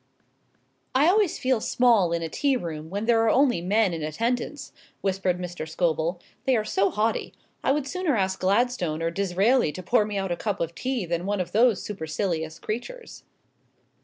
"I always feel small in a tea room when there are only men in attendance," whispered Mr. Scobel, "they are so haughty. I would sooner ask Gladstone or Disraeli to pour me out a cup of tea than one of those supercilious creatures."